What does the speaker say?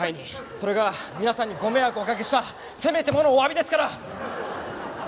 それが皆さんにご迷惑をおかけしたせめてものおわびですから。